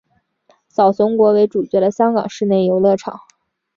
小熊国为主角的香港室内游乐场。